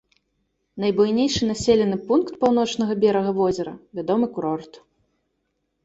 Найбуйнейшы населены пункт паўночнага берага возера, вядомы курорт.